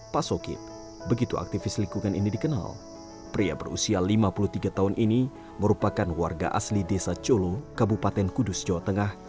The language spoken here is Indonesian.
pak sokip begitu aktivis lingkungan ini dikenal pria berusia lima puluh tiga tahun ini merupakan warga asli desa colo kabupaten kudus jawa tengah